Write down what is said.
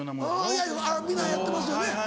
いや皆やってますよね。